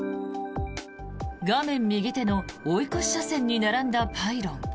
画面右手の追い越し車線に並んだパイロン。